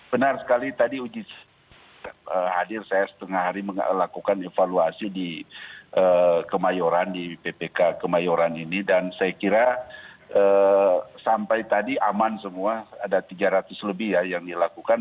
benar sekali tadi uji hadir saya setengah hari melakukan evaluasi di kemayoran di ppk kemayoran ini dan saya kira sampai tadi aman semua ada tiga ratus lebih ya yang dilakukan